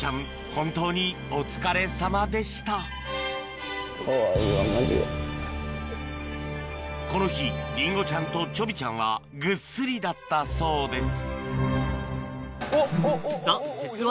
本当にお疲れさまでしたこの日リンゴちゃんとちょびちゃんはぐっすりだったそうです